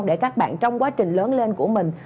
để các bạn trong quá trình lớn lên của mình